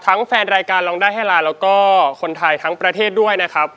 แฟนรายการร้องได้ให้ล้านแล้วก็คนไทยทั้งประเทศด้วยนะครับ